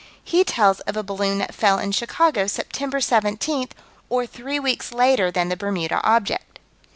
He tells of a balloon that fell in Chicago, September 17, or three weeks later than the Bermuda object.